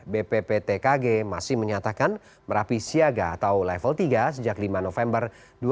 bpptkg masih menyatakan merapi siaga atau level tiga sejak lima november dua ribu dua puluh